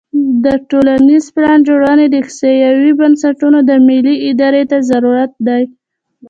د ټولنیزې پلانجوړونې احصایوي بنسټونو او ملي ارادې ته ضرورت دی.